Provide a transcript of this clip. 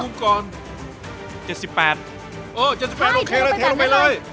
๗๘โอเคเลยเทลงไปเลย